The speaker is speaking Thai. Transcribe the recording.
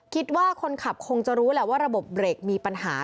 คิดว่าคนขับคงจะรู้แหละว่าระบบเบรกมีปัญหา